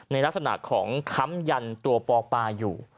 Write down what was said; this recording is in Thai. ในลักษณะของค้ำยันตัวปอปาอยู่